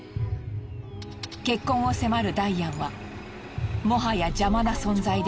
結婚を迫るダイアンはもはや邪魔な存在でしかない。